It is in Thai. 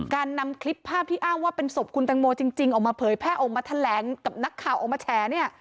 นำคลิปภาพที่อ้างว่าเป็นศพคุณตังโมจริงออกมาเผยแพร่ออกมาแถลงกับนักข่าวออกมาแฉเนี่ย